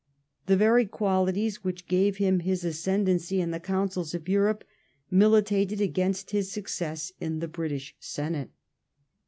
The very qualities which gave him his ascendancy in the councils of Europe militated against his success in the British Senate.